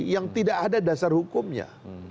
yang tidak ada dasar hukumnya